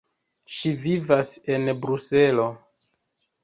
Ŝi vivas en Bruselo.